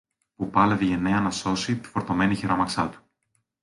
που πάλευε γενναία να σώσει τη φορτωμένη χειράμαξα του